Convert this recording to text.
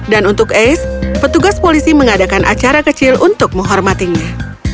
dan untuk ace petugas polisi mengadakan acara kecil untuk menghormatinya